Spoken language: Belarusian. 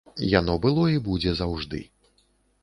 Яно было і будзе заўжды.